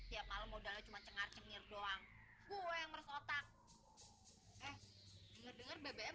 tiap malam udah cuma cengar cengir doang gue yang meresotak denger denger bebeknya